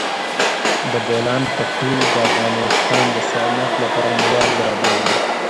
د بولان پټي د افغانستان د صنعت لپاره مواد برابروي.